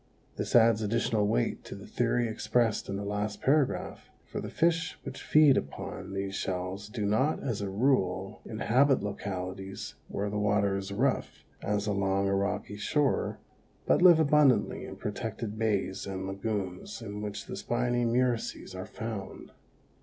This adds additional weight to the theory expressed in the last paragraph, for the fish which feed upon these shells do not, as a rule, inhabit localities where the water is rough, as along a rocky shore, but live abundantly in protected bays and lagoons in which the spiny murices are found.